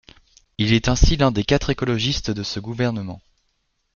Il est ainsi l'un des quatre écologistes de ce gouvernement.